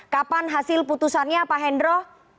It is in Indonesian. kapan hasil putusannya pak hendro